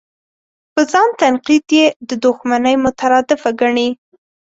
په ځان تنقید یې د دوښمنۍ مترادفه ګڼي.